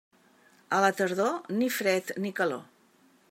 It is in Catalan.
A la tardor, ni fred ni calor.